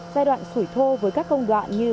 giai đoạn sủi thô với các công đoạn như